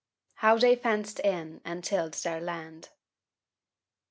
HOW THEY FENCED IN AND TILLED THEIR LAND.